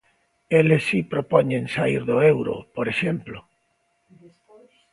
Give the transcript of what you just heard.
Eles si propoñen saír do euro, por exemplo.